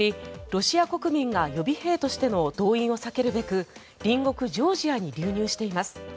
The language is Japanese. ロシア国民が予備兵としての動員を避けるべく隣国ジョージアに流入しています。